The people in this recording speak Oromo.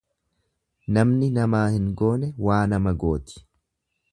Namni namaa hin goone waa nama gooti.